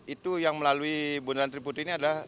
itu yang melalui bundaran seribu tri ini adalah